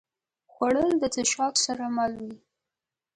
خوړل د څښاک سره مل وي